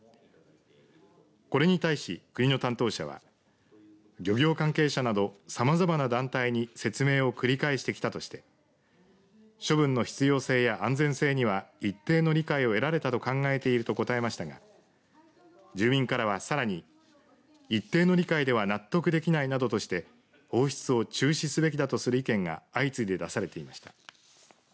これに対し、国の担当者は漁業関係者などさまざまな団体に説明を繰り返してきたとして処分の必要性や安全性には一定の理解が得られたと考えていると答えましたが住民からは、さらに一定の理解では納得できないなどとして放出を中止すべきだとする意見が相次いで出されていました。